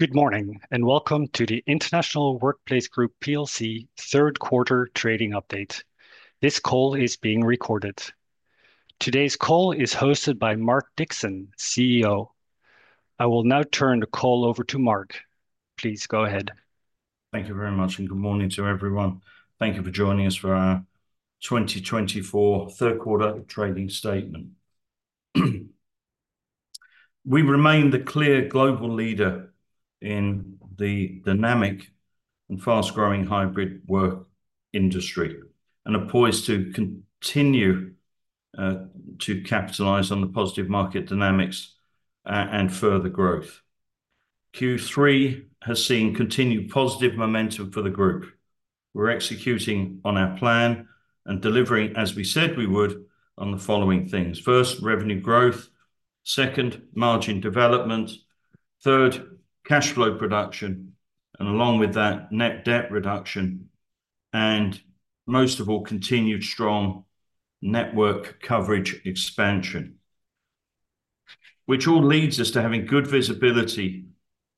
Good morning, and welcome to the International Workplace Group PLC third quarter trading update. This call is being recorded. Today's call is hosted by Mark Dixon, CEO. I will now turn the call over to Mark. Please go ahead. Thank you very much, and good morning to everyone. Thank you for joining us for our 2024 third quarter trading statement. We remain the clear global leader in the dynamic and fast-growing hybrid work industry and are poised to continue to capitalize on the positive market dynamics and further growth. Q3 has seen continued positive momentum for the group. We're executing on our plan and delivering, as we said we would, on the following things: first, revenue growth, second, margin development, third, cash flow production, and along with that, net debt reduction, and most of all, continued strong network coverage expansion, which all leads us to having good visibility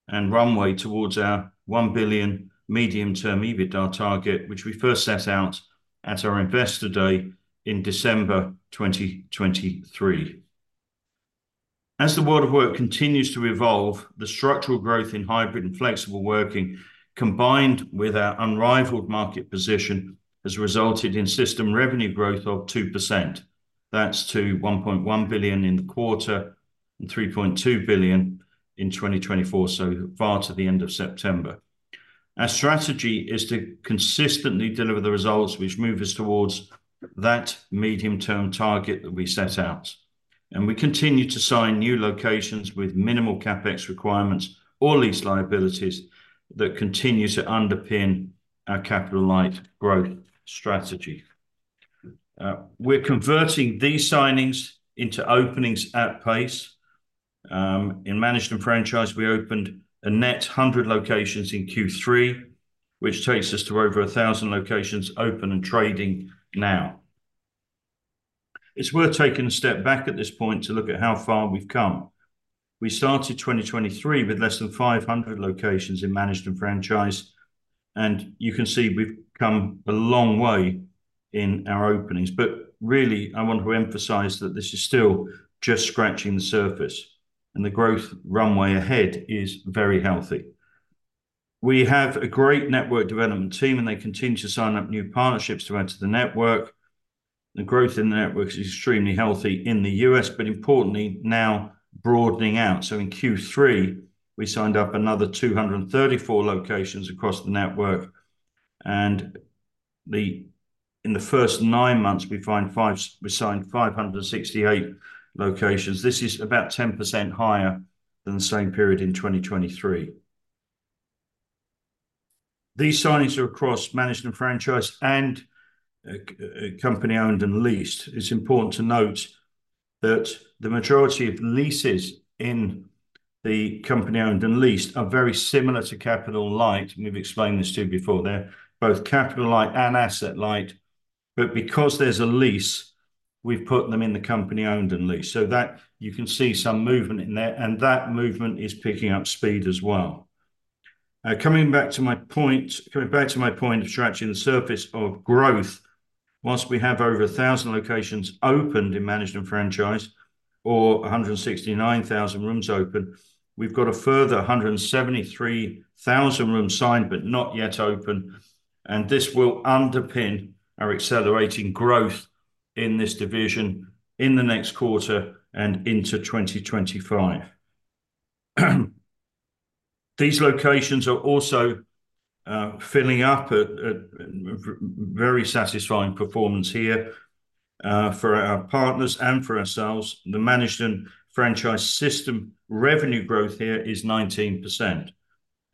and runway towards our 1 billion medium-term EBITDA target, which we first set out at our Investor Day in December 2023. As the world of work continues to evolve, the structural growth in hybrid and flexible working, combined with our unrivaled market position, has resulted in system revenue growth of 2%. That's to $1.1 billion in the quarter and $3.2 billion in 2024, so far to the end of September. Our strategy is to consistently deliver the results which move us towards that medium-term target that we set out, and we continue to sign new locations with minimal CapEx requirements or lease liabilities that continue to underpin our capital-light growth strategy. We're converting these signings into openings at pace. In management franchise, we opened a net 100 locations in Q3, which takes us to over 1,000 locations open and trading now. It's worth taking a step back at this point to look at how far we've come. We started 2023 with less than 500 locations in management franchise, and you can see we've come a long way in our openings. But really, I want to emphasize that this is still just scratching the surface, and the growth runway ahead is very healthy. We have a great network development team, and they continue to sign up new partnerships throughout the network. The growth in the network is extremely healthy in the U.S., but importantly now broadening out. So in Q3, we signed up another 234 locations across the network. And in the first nine months, we signed 568 locations. This is about 10% higher than the same period in 2023. These signings are across management franchise and company-owned and leased. It's important to note that the majority of leases in the company-owned and leased are very similar to capital-light. We've explained this to you before. They're both capital-light and asset-light. But because there's a lease, we've put them in the company-owned and leased. So you can see some movement in there, and that movement is picking up speed as well. Coming back to my point, coming back to my point of scratching the surface of growth, once we have over 1,000 locations opened in management franchise or 169,000 rooms open, we've got a further 173,000 rooms signed but not yet open. And this will underpin our accelerating growth in this division in the next quarter and into 2025. These locations are also filling up at very satisfying performance here for our partners and for ourselves. The management franchise system revenue growth here is 19%,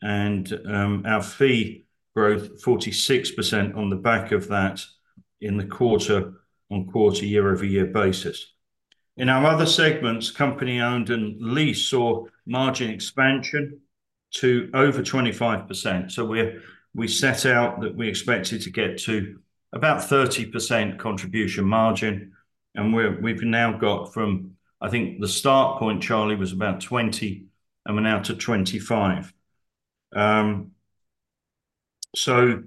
and our fee growth 46% on the back of that in the quarter-on-quarter year-over-year basis. In our other segments, company-owned and leased saw margin expansion to over 25%. So we set out that we expected to get to about 30% contribution margin, and we've now got from, I think the start point, Charlie, was about 20%, and we're now to 25%. So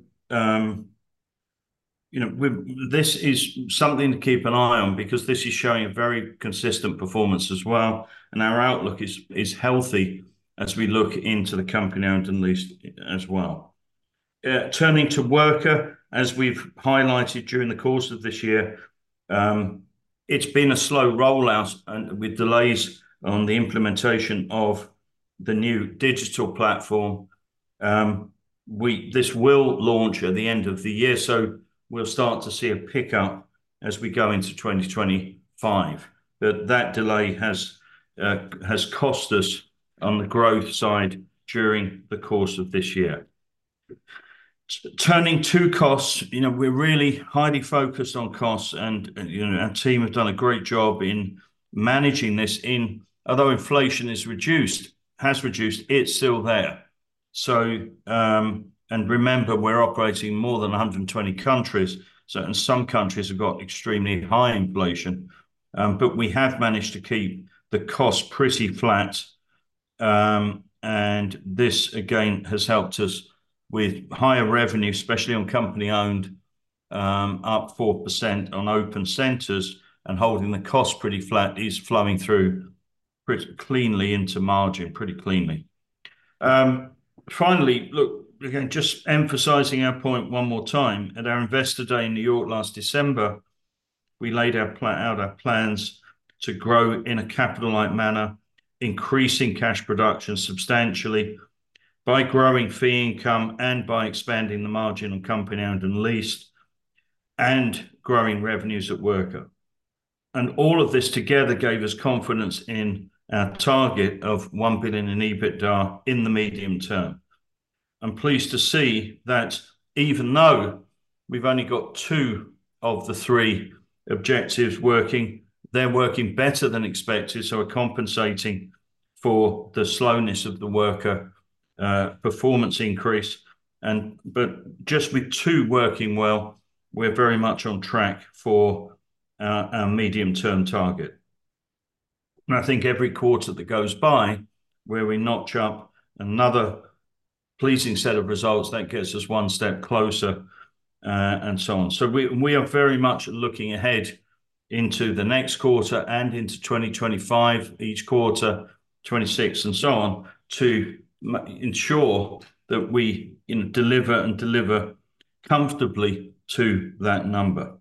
this is something to keep an eye on because this is showing a very consistent performance as well. And our outlook is healthy as we look into the company-owned and leased as well. Turning to Worka, as we've highlighted during the course of this year, it's been a slow rollout with delays on the implementation of the new digital platform. This will launch at the end of the year, so we'll start to see a pickup as we go into 2025. But that delay has cost us on the growth side during the course of this year. Turning to costs, we're really highly focused on costs, and our team have done a great job in managing this. Although inflation has reduced, it's still there. And remember, we're operating in more than 120 countries, and some countries have got extremely high inflation. But we have managed to keep the cost pretty flat. And this, again, has helped us with higher revenue, especially on company-owned, up 4% on open centers. And holding the cost pretty flat is flowing through cleanly into margin pretty cleanly. Finally, look, again, just emphasizing our point one more time. At our Investor Day in New York last December, we laid out our plans to grow in a capital-light manner, increasing cash production substantially by growing fee income and by expanding the margin on company-owned and leased, and growing revenues at Worka. And all of this together gave us confidence in our target of 1 billion in EBITDA in the medium term. I'm pleased to see that even though we've only got two of the three objectives working, they're working better than expected. So we're compensating for the slowness of the Worka performance increase. But just with two working well, we're very much on track for our medium-term target. And I think every quarter that goes by, where we notch up another pleasing set of results, that gets us one step closer and so on. So we are very much looking ahead into the next quarter and into 2025, each quarter, 2026, and so on, to ensure that we deliver and deliver comfortably to that number.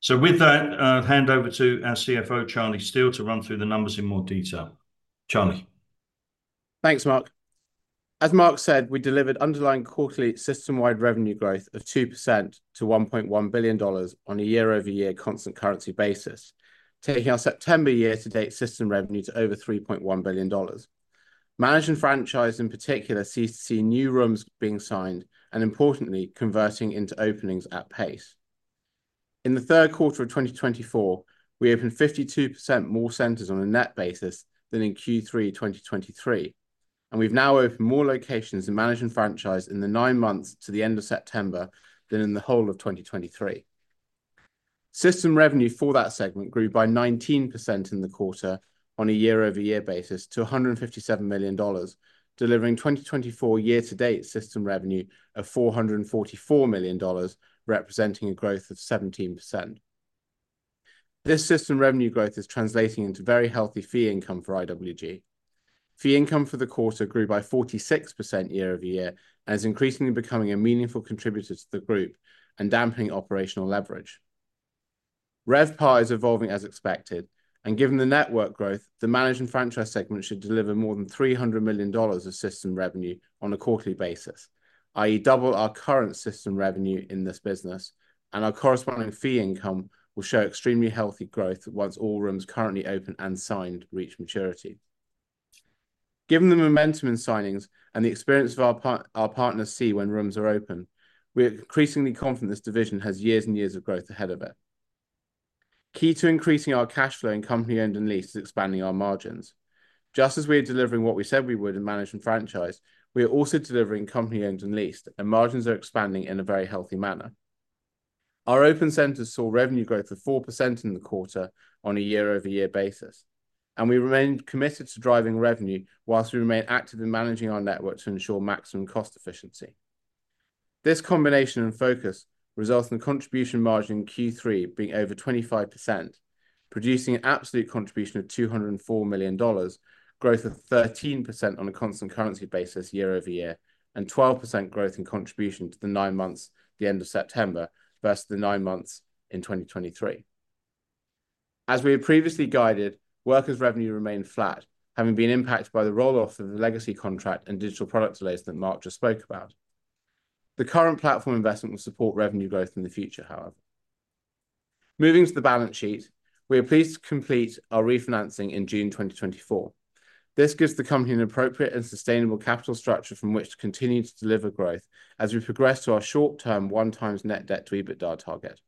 So with that, I'll hand over to our CFO, Charlie Steel, to run through the numbers in more detail. Charlie. Thanks, Mark. As Mark said, we delivered underlying quarterly system-wide revenue growth of 2% to $1.1 billion on a year-over-year constant currency basis, taking our September year-to-date system revenue to over $3.1 billion. Managed franchise, in particular, seems to see new rooms being signed and, importantly, converting into openings at pace. In the third quarter of 2024, we opened 52% more centers on a net basis than in Q3 2023, and we've now opened more locations in managed franchise in the nine months to the end of September than in the whole of 2023. System revenue for that segment grew by 19% in the quarter on a year-over-year basis to $157 million, delivering 2024 year-to-date system revenue of $444 million, representing a growth of 17%. This system revenue growth is translating into very healthy fee income for IWG. Fee income for the quarter grew by 46% year-over-year and is increasingly becoming a meaningful contributor to the group and dampening operational leverage. RevPAR is evolving as expected, given the network growth, the management franchise segment should deliver more than $300 million of system revenue on a quarterly basis, i.e., double our current system revenue in this business, our corresponding fee income will show extremely healthy growth once all rooms currently open and signed reach maturity. Given the momentum in signings and the experience of our partners see when rooms are open, we are increasingly confident this division has years and years of growth ahead of it. Key to increasing our cash flow in company-owned and leased is expanding our margins. Just as we are delivering what we said we would in management franchise, we are also delivering company-owned and leased, and margins are expanding in a very healthy manner. Our open centers saw revenue growth of 4% in the quarter on a year-over-year basis, and we remained committed to driving revenue whilst we remain active in managing our network to ensure maximum cost efficiency. This combination and focus results in the contribution margin in Q3 being over 25%, producing an absolute contribution of $204 million, growth of 13% on a constant currency basis year-over-year, and 12% growth in contribution to the nine months at the end of September versus the nine months in 2023. As we had previously guided, Worka's revenue remained flat, having been impacted by the rolloff of the legacy contract and digital product delays that Mark just spoke about. The current platform investment will support revenue growth in the future, however. Moving to the balance sheet, we are pleased to complete our refinancing in June 2024. This gives the company an appropriate and sustainable capital structure from which to continue to deliver growth as we progress to our short-term one-time net debt to EBITDA target.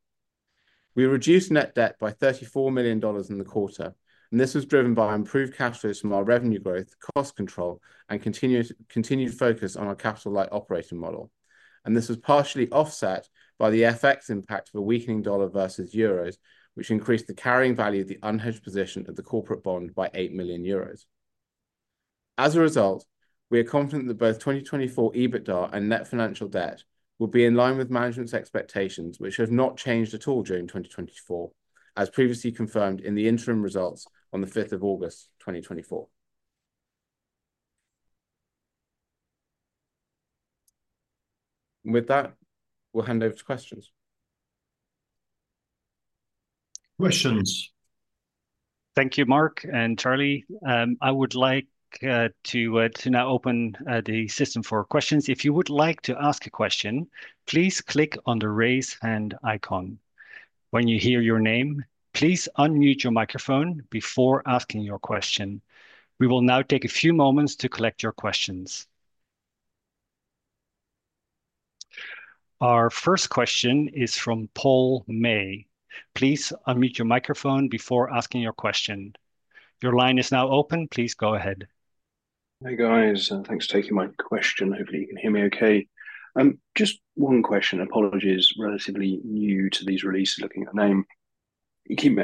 We reduced net debt by $34 million in the quarter, and this was driven by improved cash flows from our revenue growth, cost control, and continued focus on our capital-light operating model, and this was partially offset by the FX impact of a weakening dollar versus euros, which increased the carrying value of the unhedged position of the corporate bond by 8 million euros. As a result, we are confident that both 2024 EBITDA and net financial debt will be in line with management's expectations, which have not changed at all during 2024, as previously confirmed in the interim results on the 5th of August 2024. With that, we'll hand over to questions. Questions. Thank you, Mark and Charlie. I would like to now open the system for questions. If you would like to ask a question, please click on the raise hand icon. When you hear your name, please unmute your microphone before asking your question. We will now take a few moments to collect your questions. Our first question is from Paul May. Please unmute your microphone before asking your question. Your line is now open. Please go ahead. Hi guys, thanks for taking my question. Hopefully, you can hear me okay. Just one question. Apologies, relatively new to these releases, looking at the name.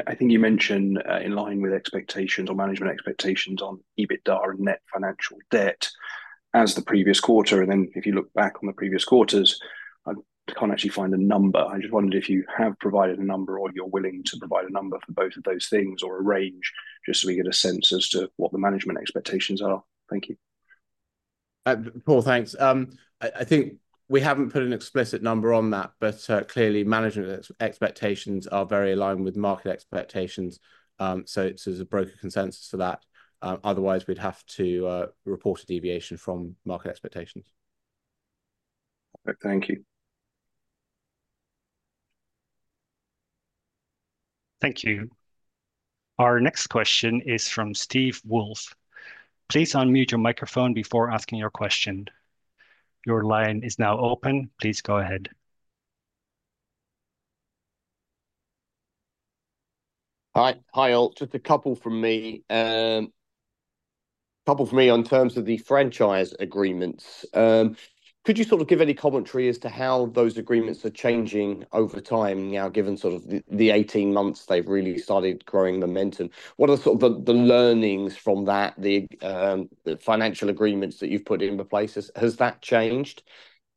I think you mentioned in line with expectations or management expectations on EBITDA and net financial debt as the previous quarter, and then if you look back on the previous quarters, I can't actually find a number. I just wondered if you have provided a number or you're willing to provide a number for both of those things or a range, just so we get a sense as to what the management expectations are. Thank you. Paul, thanks. I think we haven't put an explicit number on that, but clearly, management expectations are very aligned with market expectations. So there's a broker consensus for that. Otherwise, we'd have to report a deviation from market expectations. Thank you. Thank you. Our next question is from Steve Woolf. Please unmute your microphone before asking your question. Your line is now open. Please go ahead. Hi, all. Just a couple from me. A couple from me on terms of the franchise agreements. Could you sort of give any commentary as to how those agreements are changing over time now, given sort of the 18 months they've really started growing momentum? What are sort of the learnings from that, the financial agreements that you've put into place? Has that changed?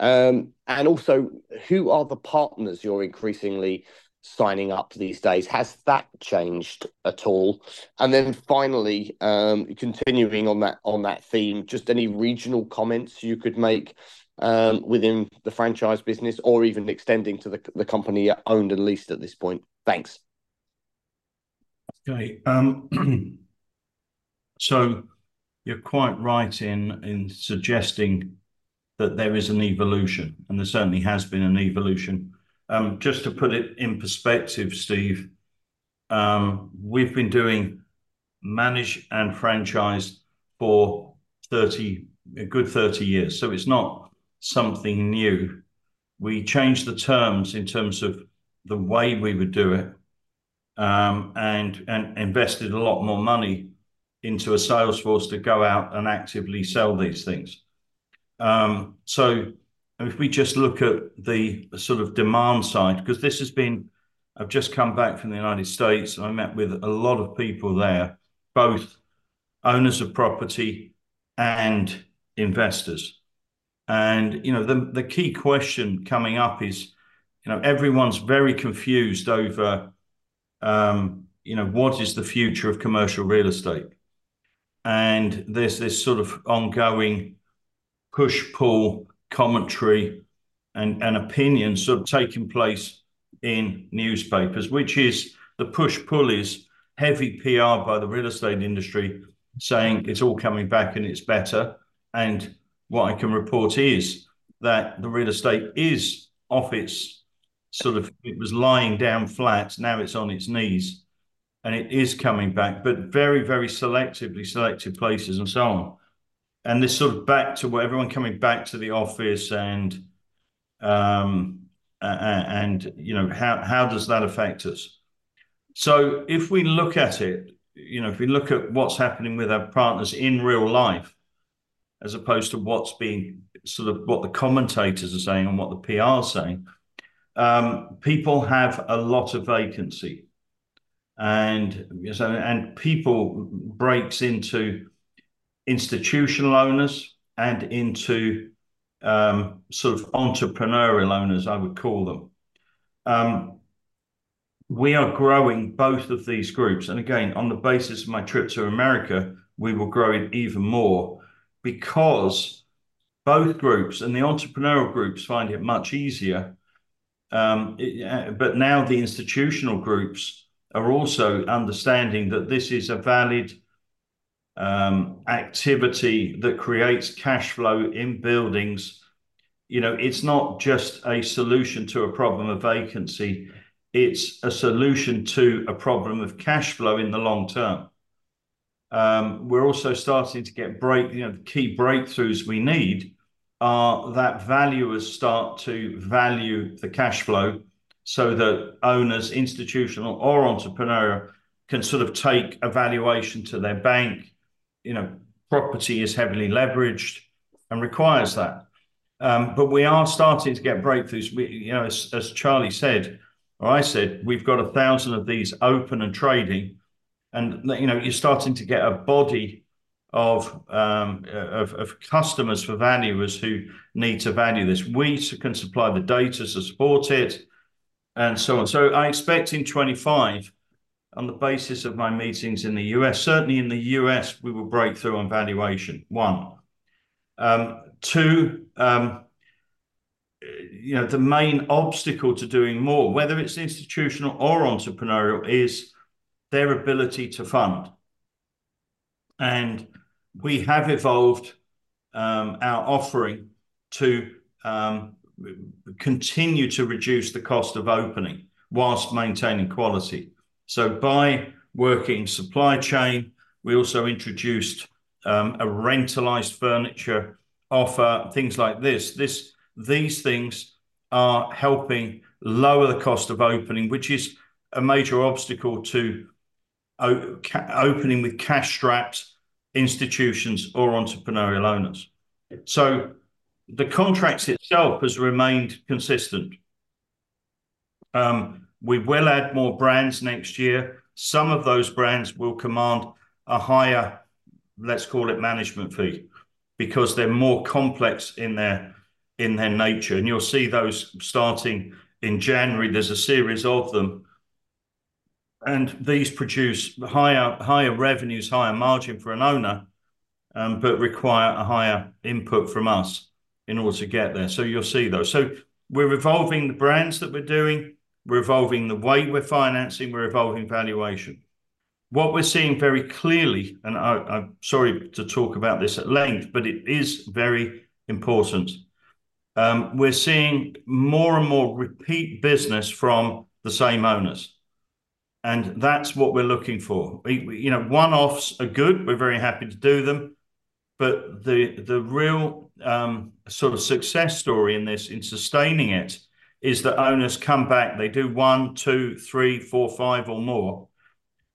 And also, who are the partners you're increasingly signing up these days? Has that changed at all? And then finally, continuing on that theme, just any regional comments you could make within the franchise business or even extending to the company-owned and leased at this point? Thanks. That's great. So you're quite right in suggesting that there is an evolution, and there certainly has been an evolution. Just to put it in perspective, Steve, we've been doing managed and franchise for a good 30 years. So it's not something new. We changed the terms in terms of the way we would do it and invested a lot more money into a salesforce to go out and actively sell these things. So if we just look at the sort of demand side, because I've just come back from the United States, and I met with a lot of people there, both owners of property and investors. And the key question coming up is everyone's very confused over what is the future of commercial real estate? And there's this sort of ongoing push-pull commentary and opinions sort of taking place in newspapers, which is the push-pull is heavy PR by the real estate industry saying it's all coming back and it's better. And what I can report is that the real estate is off its sort of it was lying down flat, now it's on its knees, and it is coming back, but very, very selectively selected places and so on. And this sort of back to what everyone coming back to the office and how does that affect us? So if we look at it, if we look at what's happening with our partners in real life, as opposed to what's being sort of what the commentators are saying and what the PR is saying, people have a lot of vacancy. And people break into institutional owners and into sort of entrepreneurial owners, I would call them. We are growing both of these groups. And again, on the basis of my trip to America, we were growing even more because both groups and the entrepreneurial groups find it much easier. But now the institutional groups are also understanding that this is a valid activity that creates cash flow in buildings. It's not just a solution to a problem of vacancy. It's a solution to a problem of cash flow in the long term. We're also starting to get key breakthroughs we need that value will start to value the cash flow so that owners, institutional or entrepreneurial, can sort of take a valuation to their bank. Property is heavily leveraged and requires that. But we are starting to get breakthroughs. As Charlie said, or I said, we've got 1,000 of these open and trading. And you're starting to get a body of customers for valuers who need to value this. We can supply the data to support it and so on. So I expect in 2025, on the basis of my meetings in the U.S., certainly in the U.S., we will break through on valuation, one. Two, the main obstacle to doing more, whether it's institutional or entrepreneurial, is their ability to fund. And we have evolved our offering to continue to reduce the cost of opening whilst maintaining quality. So by working supply chain, we also introduced a rentalized furniture offer, things like this. These things are helping lower the cost of opening, which is a major obstacle to opening with cash-strapped institutions or entrepreneurial owners. So the contract itself has remained consistent. We will add more brands next year. Some of those brands will command a higher, let's call it, management fee because they're more complex in their nature, and you'll see those starting in January. There's a series of them, and these produce higher revenues, higher margin for an owner, but require a higher input from us in order to get there, so you'll see those, so we're evolving the brands that we're doing. We're evolving the way we're financing. We're evolving valuation. What we're seeing very clearly, and I'm sorry to talk about this at length, but it is very important. We're seeing more and more repeat business from the same owners, and that's what we're looking for. One-offs are good. We're very happy to do them, but the real sort of success story in this, in sustaining it, is that owners come back. They do one, two, three, four, five, or more.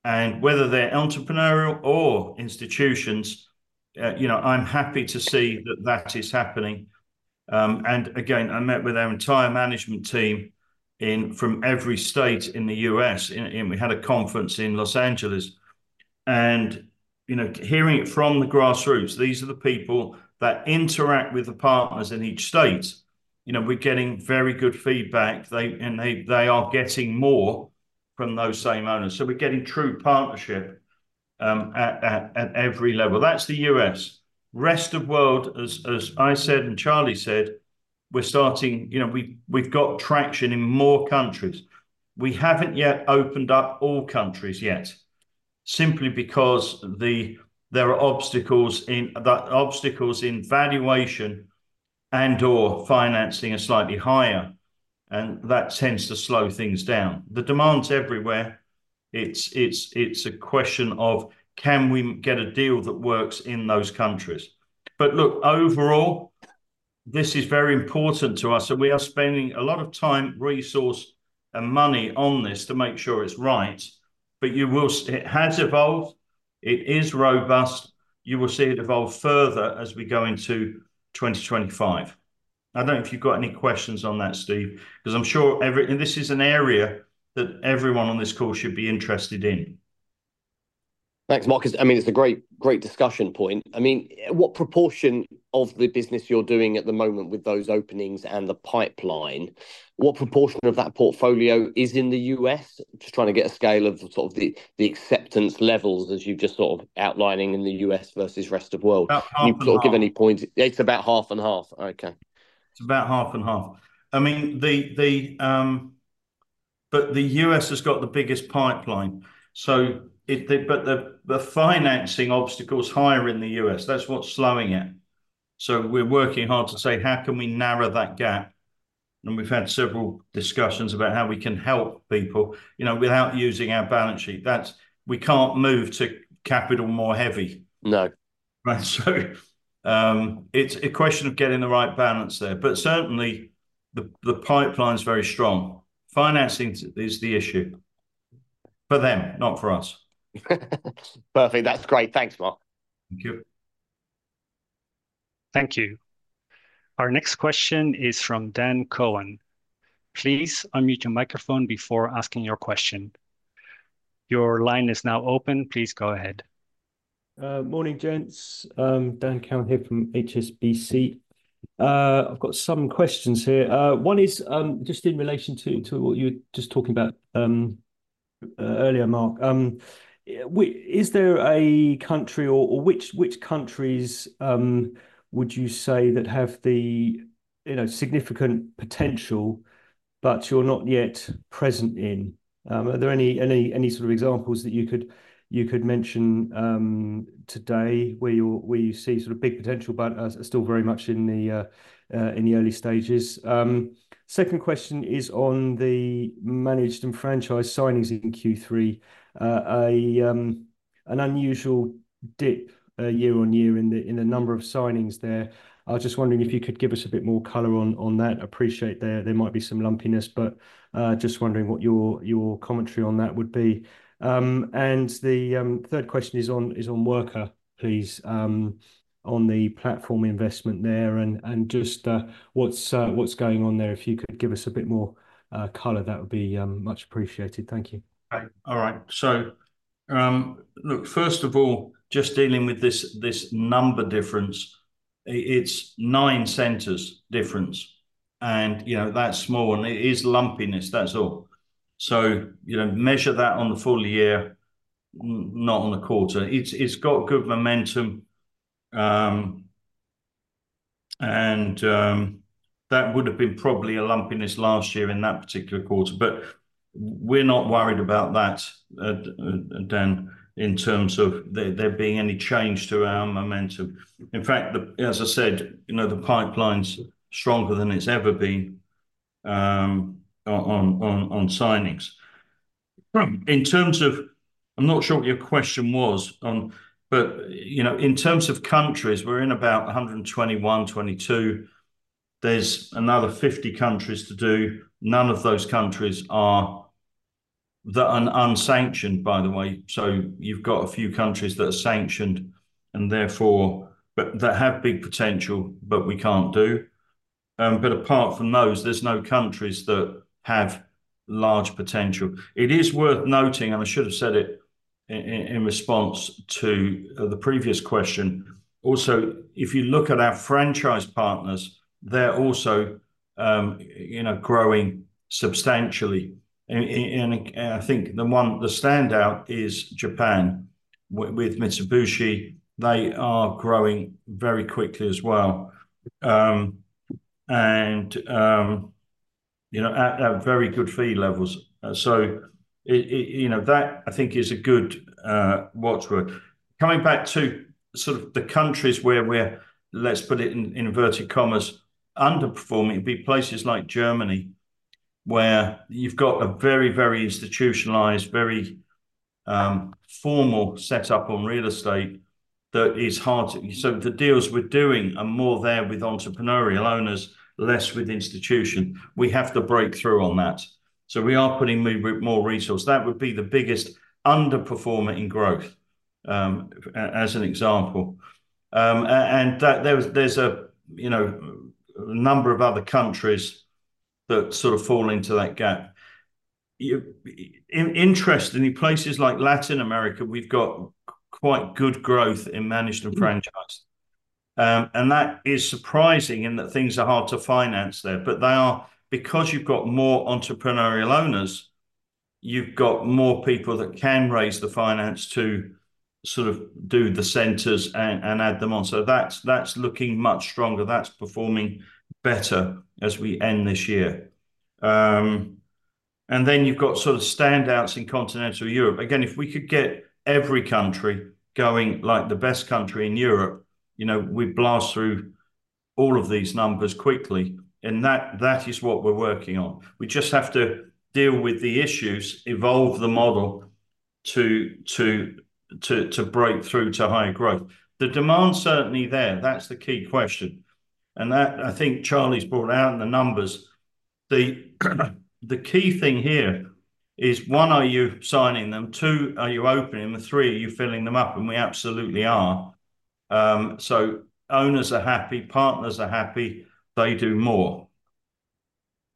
And whether they're entrepreneurial or institutional, I'm happy to see that is happening. And again, I met with our entire management team from every state in the U.S. We had a conference in Los Angeles. And hearing it from the grassroots, these are the people that interact with the partners in each state. We're getting very good feedback, and they are getting more from those same owners. So we're getting true partnership at every level. That's the U.S. Rest of the world, as I said and Charlie said, we're starting. We've got traction in more countries. We haven't yet opened up all countries simply because there are obstacles in valuation and/or financing that are slightly higher, and that tends to slow things down. The demand's everywhere. It's a question of, can we get a deal that works in those countries? But look, overall, this is very important to us. And we are spending a lot of time, resource, and money on this to make sure it's right. But it has evolved. It is robust. You will see it evolve further as we go into 2025. I don't know if you've got any questions on that, Steve, because I'm sure this is an area that everyone on this call should be interested in. Thanks, Mark. I mean, it's a great discussion point. I mean, what proportion of the business you're doing at the moment with those openings and the pipeline, what proportion of that portfolio is in the U.S.? Just trying to get a scale of sort of the acceptance levels, as you've just sort of outlining in the U.S. versus rest of the world. Can you sort of give any points? It's about half and half. Okay. It's about half and half. I mean, but the U.S. has got the biggest pipeline. But the financing obstacle's higher in the U.S. That's what's slowing it. So we're working hard to say, how can we narrow that gap? And we've had several discussions about how we can help people without using our balance sheet. We can't move to capital more heavy. No. So it's a question of getting the right balance there. But certainly, the pipeline's very strong. Financing is the issue for them, not for us. Perfect. That's great. Thanks, Mark. Thank you. Thank you. Our next question is from Dan Cohen. Please unmute your microphone before asking your question. Your line is now open. Please go ahead. Morning, gents. Dan Cohen here from HSBC. I've got some questions here. One is just in relation to what you were just talking about earlier, Mark. Is there a country or which countries would you say that have the significant potential, but you're not yet present in? Are there any sort of examples that you could mention today where you see sort of big potential, but are still very much in the early stages? Second question is on the Managed and Franchise signings in Q3. An unusual dip year on year in the number of signings there. I was just wondering if you could give us a bit more color on that. Appreciate there might be some lumpiness, but just wondering what your commentary on that would be. And the third question is on Worka, please, on the platform investment there and just what's going on there. If you could give us a bit more color, that would be much appreciated. Thank you. All right. So look, first of all, just dealing with this number difference, it's nine centers difference. And that's small. And it is lumpiness. That's all. So measure that on the full year, not on the quarter. It's got good momentum. And that would have been probably a lumpiness last year in that particular quarter. But we're not worried about that, Dan, in terms of there being any change to our momentum. In fact, as I said, the pipeline's stronger than it's ever been on signings. In terms of I'm not sure what your question was, but in terms of countries, we're in about 121, 122. There's another 50 countries to do. None of those countries are unsanctioned, by the way. So you've got a few countries that are sanctioned and therefore that have big potential, but we can't do. But apart from those, there's no countries that have large potential. It is worth noting, and I should have said it in response to the previous question. Also, if you look at our franchise partners, they're also growing substantially. And I think the standout is Japan with Mitsubishi. They are growing very quickly as well and at very good fee levels. So that, I think, is a good watchword. Coming back to sort of the countries where we're, let's put it in inverted commas, underperforming, it'd be places like Germany where you've got a very, very institutionalized, very formal setup on real estate that is hard. So the deals we're doing are more there with entrepreneurial owners, less with institutions. We have to break through on that. So we are putting more resources. That would be the biggest underperformer in growth, as an example. And there's a number of other countries that sort of fall into that gap. Interestingly, places like Latin America, we've got quite good growth in managed and franchise. And that is surprising in that things are hard to finance there. But because you've got more entrepreneurial owners, you've got more people that can raise the finance to sort of do the centers and add them on. So that's looking much stronger. That's performing better as we end this year. And then you've got sort of standouts in Continental Europe. Again, if we could get every country going like the best country in Europe, we'd blast through all of these numbers quickly. And that is what we're working on. We just have to deal with the issues, evolve the model to break through to higher growth. The demand's certainly there. That's the key question. I think Charlie's brought out in the numbers. The key thing here is, one, are you signing them? Two, are you opening them? Three, are you filling them up? And we absolutely are. So owners are happy. Partners are happy. They do more.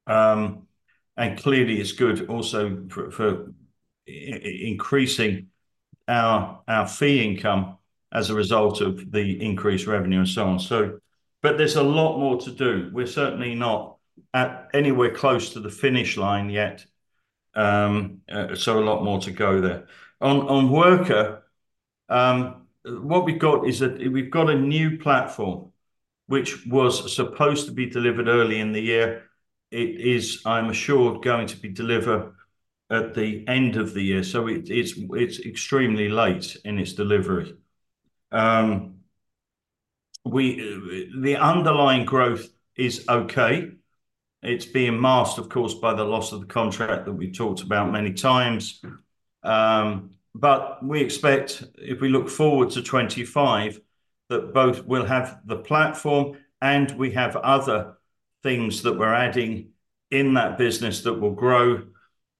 And clearly, it's good also for increasing our fee income as a result of the increased revenue and so on. But there's a lot more to do. We're certainly not anywhere close to the finish line yet. So a lot more to go there. On Worka, what we've got is that we've got a new platform, which was supposed to be delivered early in the year. It is, I'm assured, going to be delivered at the end of the year. So it's extremely late in its delivery. The underlying growth is okay. It's being masked, of course, by the loss of the contract that we've talked about many times. But we expect, if we look forward to 2025, that both we'll have the platform and we have other things that we're adding in that business that will grow.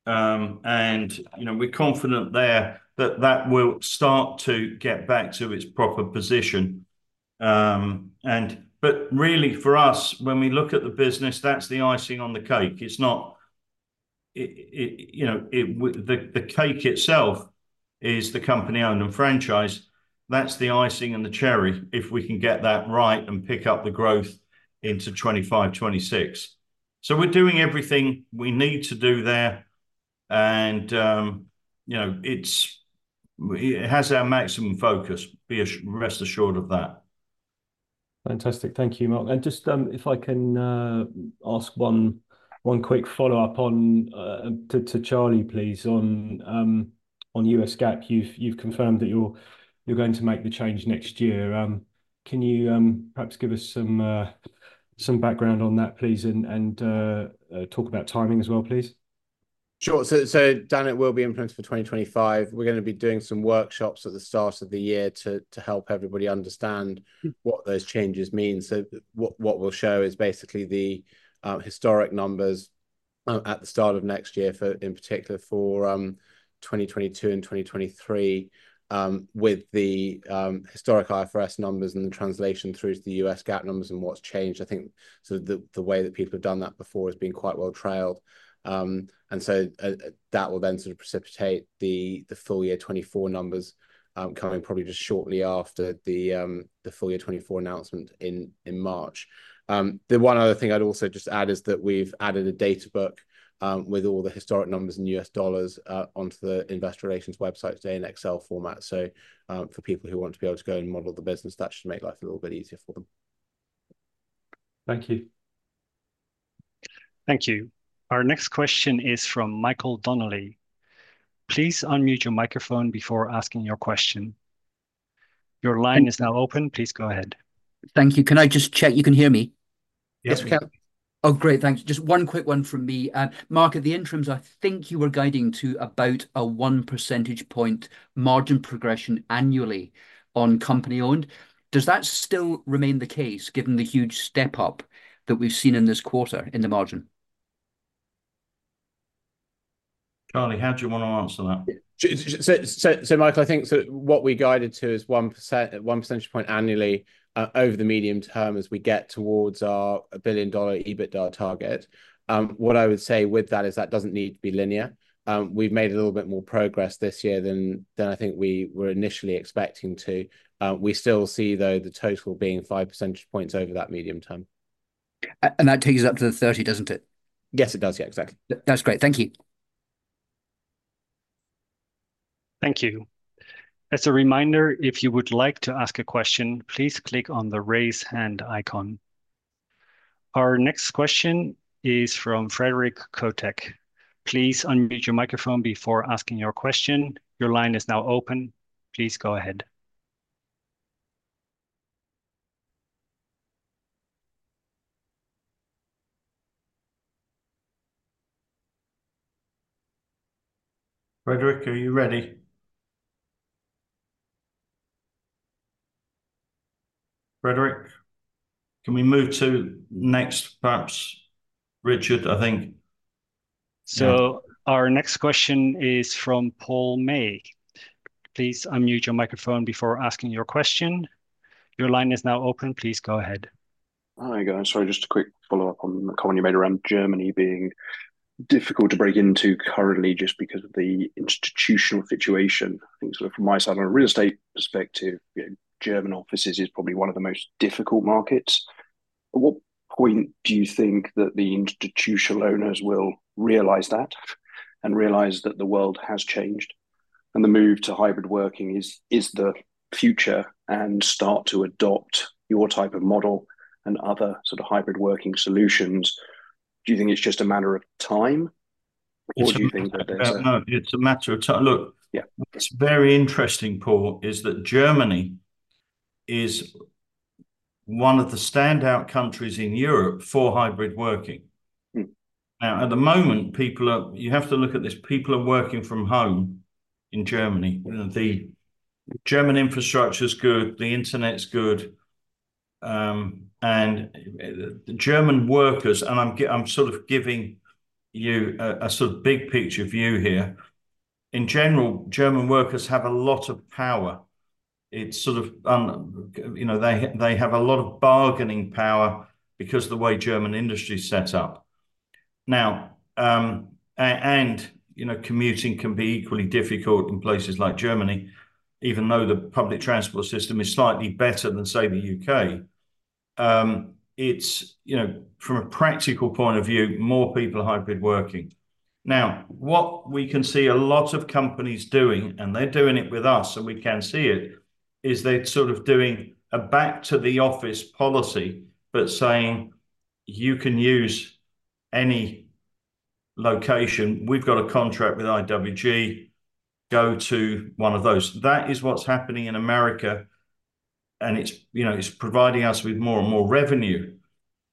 And we're confident there that that will start to get back to its proper position. But really, for us, when we look at the business, that's the icing on the cake. The cake itself is the company-owned and franchised. That's the icing on the cherry if we can get that right and pick up the growth into 2025, 2026. So we're doing everything we need to do there. And it has our maximum focus. Rest assured of that. Fantastic. Thank you, Mark. And just if I can ask one quick follow-up to Charlie, please, on US GAAP. You've confirmed that you're going to make the change next year. Can you perhaps give us some background on that, please, and talk about timing as well, please? Sure. So Dan, it will be implemented for 2025. We're going to be doing some workshops at the start of the year to help everybody understand what those changes mean. So what we'll show is basically the historic numbers at the start of next year, in particular for 2022 and 2023, with the historic IFRS numbers and the translation through to the US GAAP numbers and what's changed. I think sort of the way that people have done that before has been quite well-trailed. And so that will then sort of precipitate the full year 2024 numbers coming probably just shortly after the full year 2024 announcement in March. The one other thing I'd also just add is that we've added a data book with all the historic numbers in US dollars onto the investor relations website today in Excel format. So for people who want to be able to go and model the business, that should make life a little bit easier for them. Thank you. Thank you. Our next question is from Michael Donnelly. Please unmute your microphone before asking your question. Your line is now open. Please go ahead. Thank you. Can I just check? You can hear me? Yes, we can. Oh, great. Thanks. Just one quick one from me. Mark, in the interim, I think you were guiding to about a one percentage point margin progression annually on company-owned. Does that still remain the case given the huge step up that we've seen in this quarter in the margin? Charlie, how do you want to answer that? So, Michael, I think what we guided to is one percentage point annually over the medium term as we get towards our $1 billion EBITDA target. What I would say with that is that doesn't need to be linear. We've made a little bit more progress this year than I think we were initially expecting to. We still see, though, the total being five percentage points over that medium term. That takes us up to the 30, doesn't it? Yes, it does. Yeah, exactly. That's great. Thank you. Thank you. As a reminder, if you would like to ask a question, please click on the raise hand icon. Our next question is from Frédéric Cotic. Please unmute your microphone before asking your question. Your line is now open. Please go ahead. Frédéric, are you ready? Frédéric, can we move to next, perhaps? Richard, I think. So our next question is from Paul May. Please unmute your microphone before asking your question. Your line is now open. Please go ahead. Hi, guys. Sorry, just a quick follow-up on the comment you made around Germany being difficult to break into currently just because of the institutional situation. I think sort of from my side, on a real estate perspective, German offices is probably one of the most difficult markets. At what point do you think that the institutional owners will realize that and realize that the world has changed and the move to hybrid working is the future and start to adopt your type of model and other sort of hybrid working solutions? Do you think it's just a matter of time, or do you think that there's a? It's a matter of time. Look, what's very interesting, Paul, is that Germany is one of the standout countries in Europe for hybrid working. Now, at the moment, you have to look at this. People are working from home in Germany. The German infrastructure is good. The internet's good. And the German workers, and I'm sort of giving you a sort of big picture view here, in general, German workers have a lot of power. It's sort of they have a lot of bargaining power because of the way German industry is set up. And commuting can be equally difficult in places like Germany, even though the public transport system is slightly better than, say, the U.K. From a practical point of view, more people are hybrid working. Now, what we can see a lot of companies doing, and they're doing it with us, and we can see it, is they're sort of doing a back-to-the-office policy but saying, "You can use any location. We've got a contract with IWG. Go to one of those." That is what's happening in America. And it's providing us with more and more revenue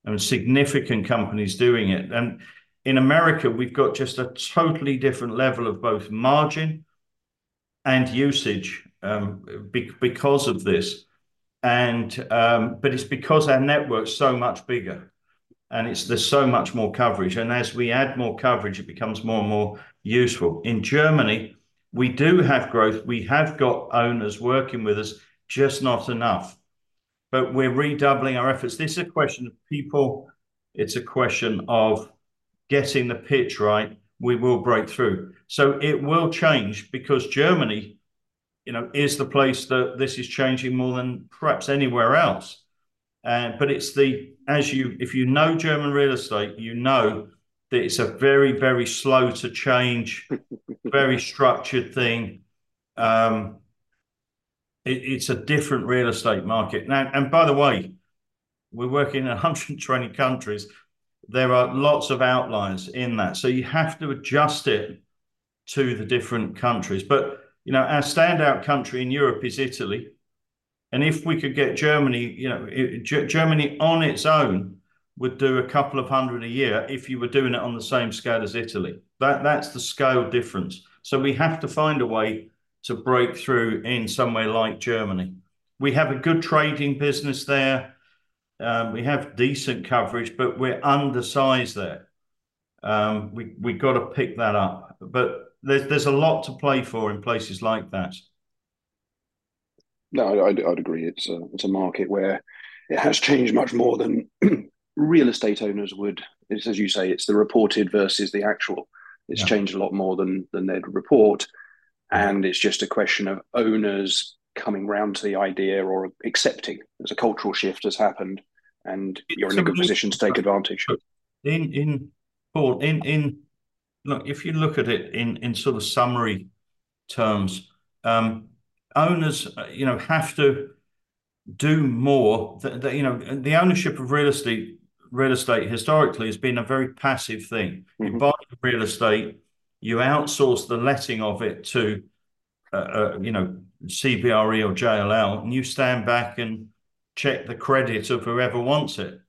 and significant companies doing it. And in America, we've got just a totally different level of both margin and usage because of this. But it's because our network's so much bigger, and there's so much more coverage. And as we add more coverage, it becomes more and more useful. In Germany, we do have growth. We have got owners working with us, just not enough. But we're redoubling our efforts. This is a question of people. It's a question of getting the pitch right. We will break through. So it will change because Germany is the place that this is changing more than perhaps anywhere else. But if you know German real estate, you know that it's a very, very slow-to-change, very structured thing. It's a different real estate market. And by the way, we're working in 120 countries. There are lots of outliers in that. So you have to adjust it to the different countries. But our standout country in Europe is Italy. And if we could get Germany, Germany on its own would do a couple of hundred a year if you were doing it on the same scale as Italy. That's the scale difference. So we have to find a way to break through in somewhere like Germany. We have a good trading business there. We have decent coverage, but we're undersized there. We've got to pick that up. But there's a lot to play for in places like that. No, I'd agree. It's a market where it has changed much more than real estate owners would. It's, as you say, it's the reported versus the actual. It's changed a lot more than they'd report. And it's just a question of owners coming round to the idea or accepting. There's a cultural shift that's happened, and you're in a good position to take advantage. Paul, look, if you look at it in sort of summary terms, owners have to do more. The ownership of real estate historically has been a very passive thing. You buy the real estate. You outsource the letting of it to CBRE or JLL, and you stand back and check the credits of whoever wants it.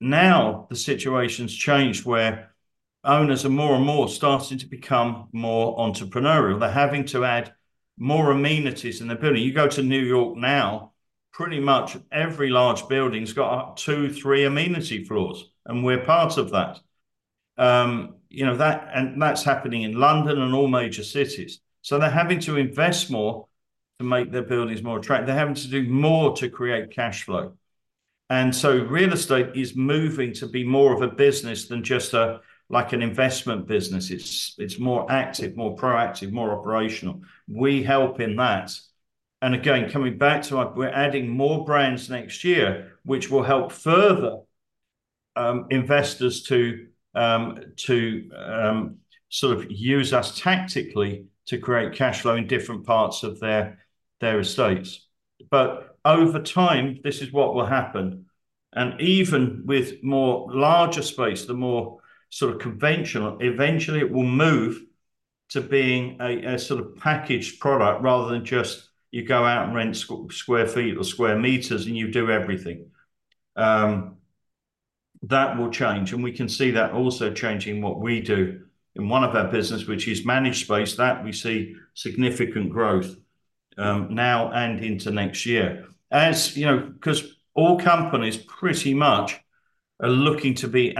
Now, the situation's changed where owners are more and more starting to become more entrepreneurial. They're having to add more amenities in their building. You go to New York now, pretty much every large building's got two, three amenity floors. And we're part of that. And that's happening in London and all major cities. So they're having to invest more to make their buildings more attractive. They're having to do more to create cash flow. And so real estate is moving to be more of a business than just an investment business. It's more active, more proactive, more operational. We help in that. And again, coming back to our—we're adding more brands next year, which will help further investors to sort of use us tactically to create cash flow in different parts of their estates. But over time, this is what will happen. And even with larger space, the more sort of conventional, eventually, it will move to being a sort of packaged product rather than just you go out and rent square feet or square meters, and you do everything. That will change. And we can see that also changing what we do in one of our businesses, which is managed space. That we see significant growth now and into next year because all companies pretty much are looking to be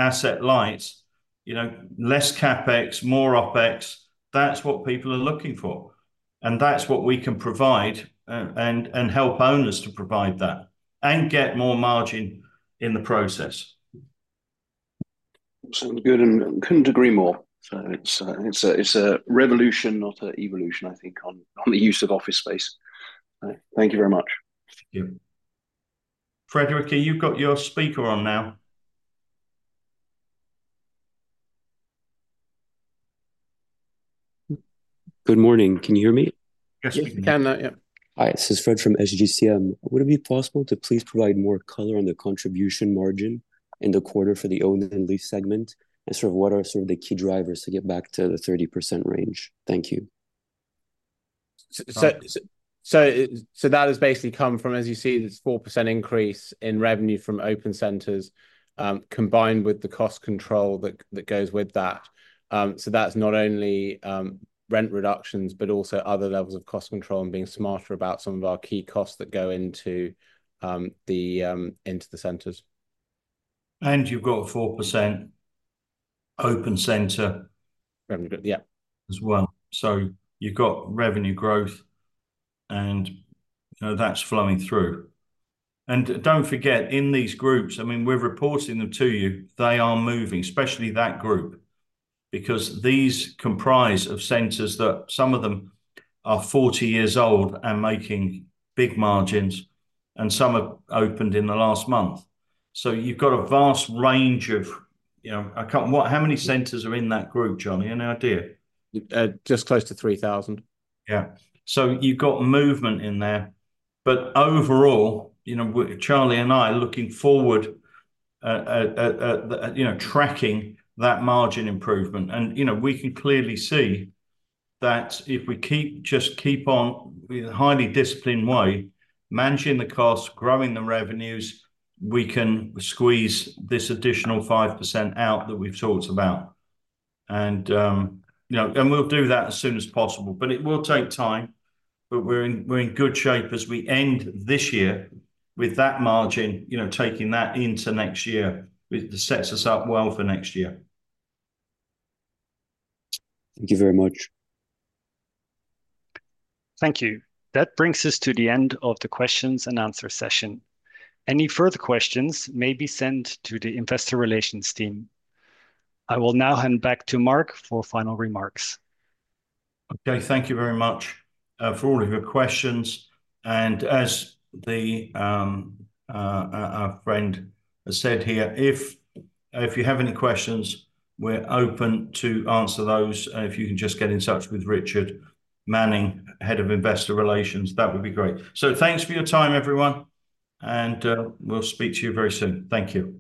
asset-light, less CapEx, more OpEx. That's what people are looking for. That's what we can provide and help owners to provide that and get more margin in the process. Sounds good. And couldn't agree more. So it's a revolution, not an evolution, I think, on the use of office space. Thank you very much. Thank you. Frédéric, are you got your speaker on now? Good morning. Can you hear me? Yes, we can. Yeah. Hi. This is Frédéric from SGCM. Would it be possible to please provide more color on the contribution margin in the quarter for the owned and leased segment, and sort of what are sort of the key drivers to get back to the 30% range? Thank you. So that has basically come from, as you see, this 4% increase in revenue from open centers combined with the cost control that goes with that. So that's not only rent reductions but also other levels of cost control and being smarter about some of our key costs that go into the centers. And you've got a 4% open center as well. So you've got revenue growth, and that's flowing through. And don't forget, in these groups, I mean, we're reporting them to you. They are moving, especially that group, because these comprise of centers that some of them are 40 years old and making big margins, and some have opened in the last month. So you've got a vast range of, how many centers are in that group, John? Do you have any idea? Just close to 3,000. Yeah. So you've got movement in there. But overall, Charlie and I are looking forward to tracking that margin improvement. And we can clearly see that if we just keep on in a highly disciplined way, managing the costs, growing the revenues, we can squeeze this additional 5% out that we've talked about. And we'll do that as soon as possible. But it will take time. But we're in good shape as we end this year with that margin, taking that into next year, which sets us up well for next year. Thank you very much. Thank you. That brings us to the end of the questions and answers session. Any further questions may be sent to the investor relations team. I will now hand back to Mark for final remarks. Okay. Thank you very much for all of your questions. And as our friend said here, if you have any questions, we're open to answer those. And if you can just get in touch with Richard Manning, head of investor relations, that would be great. So thanks for your time, everyone. And we'll speak to you very soon. Thank you.